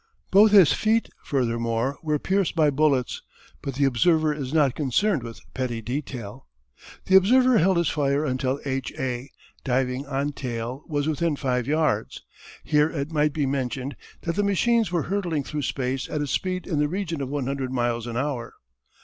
Both his feet, furthermore, were pierced by bullets; but the observer is not concerned with petty detail. The observer held his fire until H. A., diving on tail, was within five yards. Here it might be mentioned that the machines were hurtling through space at a speed in the region of one hundred miles an hour.